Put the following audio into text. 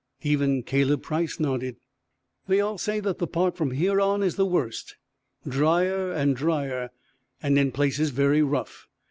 Even Caleb Price nodded. "They all say that the part from here on is the worst drier and drier, and in places very rough.